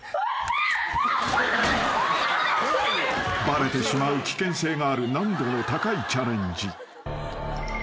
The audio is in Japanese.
［バレてしまう危険性がある難度の高いチャレンジ］